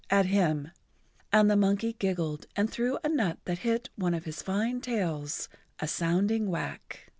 at him, and the monkey giggled and threw a nut that hit one of his fine tails a sounding whack.